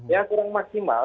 ya kurang maksimal